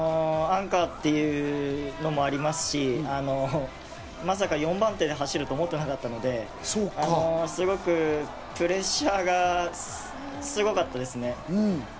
アンカーっていうのもありますし、まさか４番手で走ると思ってなかったので、プレッシャーがすごかったですね。